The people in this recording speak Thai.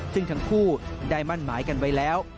ซึ่งทั้งคู่ได้มั่นหมายกันไว้แล้ว